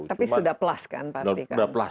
tapi sudah plus kan pastikan